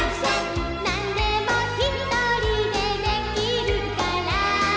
「何でもひとりでできるから」